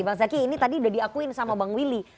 bang zaky ini tadi udah diakuin sama bang willy